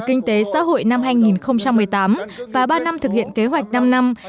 kinh tế xã hội năm hai nghìn một mươi tám và ba năm thực hiện kế hoạch năm năm hai nghìn một mươi sáu hai nghìn hai mươi